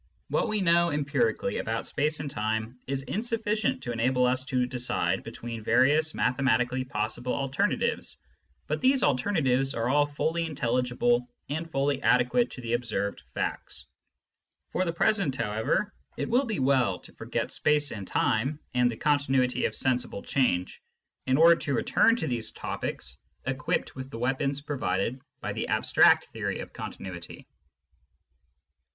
What we know empirically about space and time is insufficient to enable us to decide between variou? mathematically possible alternatives, but these alternatives are all fully intelligible and fully adequate to the observed facts. For the present, however, it will be well to forget space and time and the continuity of sensible change, in order to return to these topics equipped with the weapons provided by the abstract theory of continuity.